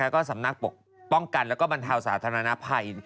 ก็สำนักปกป้องกันและบรรทาวณ์สาธารณภัย